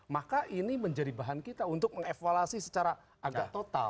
maka ini menjadi bahan kita untuk mengevaluasi secara agak total